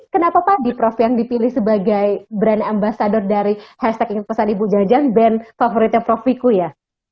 kenapa padi prof yang dipilih sebagai brand ambassador dari hashtag inget pesan ibu jajan band favoritnya prof viku ya